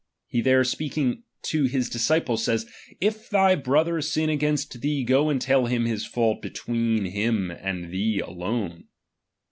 He there H speaking to his disciples, says : If thy brother sin H against thee, go and tell him hisfatdt between Aim H and thee alone.